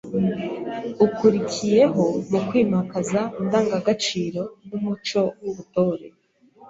ukurikiyeho mu kwimakaza indangagaciro n’umuco w’ubutore